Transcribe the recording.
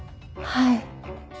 はい。